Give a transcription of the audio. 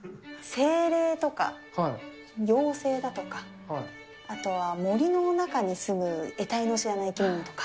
精霊とか、妖精だとか、あとは森の中に住むえたいの知れない生き物とか。